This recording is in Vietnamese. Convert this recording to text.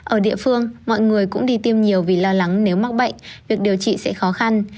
ở địa phương mọi người cũng đi tiêm nhiều vì lo lắng nếu mắc bệnh việc điều trị sẽ khó khăn